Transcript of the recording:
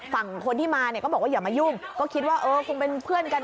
ฝั่งคนที่มาเนี่ยก็บอกว่าอย่ามายุ่งก็คิดว่าเออคงเป็นเพื่อนกัน